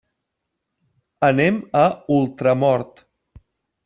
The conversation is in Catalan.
Anem a Ultramort.